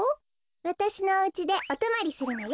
わたしのおうちでおとまりするのよ。